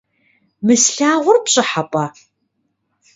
Мы слъагъур пщӏыхьэпӏэ?